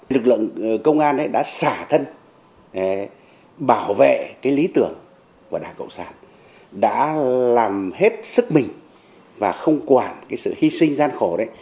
lực lượng công an đã xả thân bảo vệ lý tưởng của đảng cộng sản đã làm hết sức mình và không quản sự hy sinh gian khổ